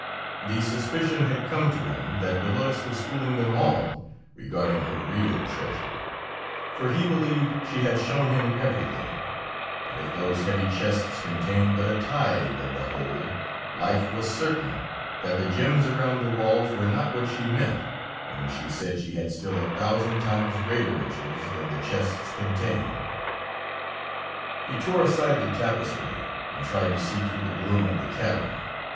The suspicion had come to him that Dolores was fooling them all regarding her real treasure; for he believed she had shown him everything, and if those heavy chests contained but a tithe of the whole, life was certain that the gems around the walls were not what she meant when she said she had still a thousand times greater riches than the chests contained. He tore aside the tapestry, and tried to see through the gloom of the cavern.